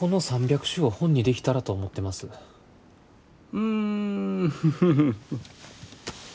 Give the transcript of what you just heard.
うんフフフフ。